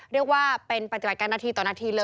เรียกว่าเป็นปฏิบัติการนาทีต่อนาทีเลย